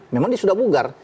memang dia sudah bugar